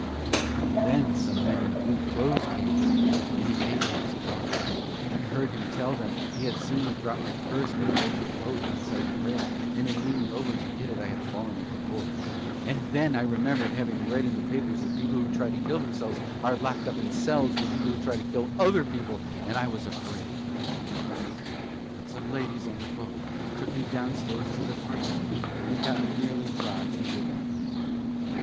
"And then some men in blue clothes came around; and he gave them his card, and I heard him tell them he had seen me drop my purse on the edge of the boat outside the rail, and in leaning over to get it I had fallen overboard. And then I remembered having read in the papers that people who try to kill themselves are locked up in cells with people who try to kill other people, and I was afraid. "But some ladies on the boat took me downstairs to the furnace room and got me nearly dry and did up my hair.